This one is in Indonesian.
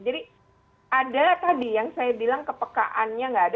jadi ada tadi yang saya bilang kepekaannya enggak ada